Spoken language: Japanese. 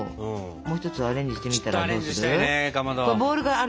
もう一つアレンジしてみたらどうする？